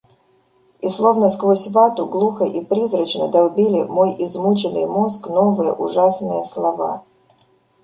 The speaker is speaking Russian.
И, словно сквозь вату, глухо и призрачно долбили мой измученный мозг новые ужасные слова: —.